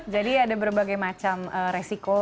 jadi ada berbagai macam resiko